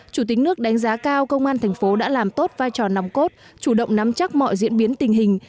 chủ tịch nước đánh giá cao công an thành phố đã làm tốt vai trò nòng cốt chủ động nắm chắc mọi diễn biến tình hình